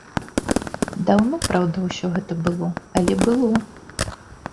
Даўно, праўда, усё гэта было, але было!